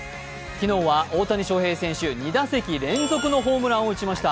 昨日は大谷翔平選手、２打席連続のホームランを打ちました。